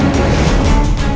seperti hal itu